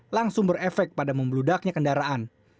langsung berefek pada membeludaknya kendaraan